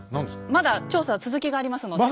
まだ調査は続きがありますので。